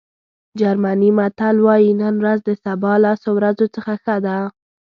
جرمني متل وایي نن ورځ د سبا لسو ورځو څخه ښه ده.